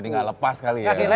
jadi gak lepas kali ya